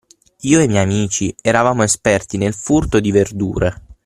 Io e i miei amici eravamo esperti nel furto di verdure.